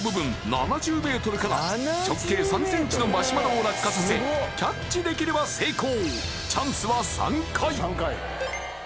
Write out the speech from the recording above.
７０ｍから直径３ｃｍのマシュマロを落下させキャッチできれば成功